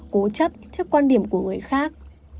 cố chấp trước quan điểm của người khác